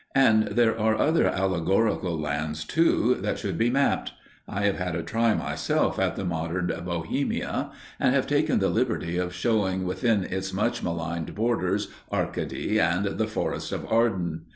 And there are other allegorical lands, too, that should be mapped. I have had a try myself at the modern "Bohemia," and have taken the liberty of shewing within its much maligned borders Arcady and the Forest of Arden.